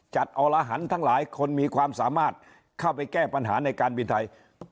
อรหันต์ทั้งหลายคนมีความสามารถเข้าไปแก้ปัญหาในการบินไทย